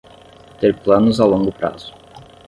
Ter planos a longo prazo